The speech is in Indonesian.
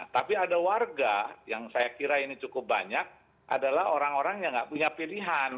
tapi ada warga yang saya kira ini cukup banyak adalah orang orang yang nggak punya pilihan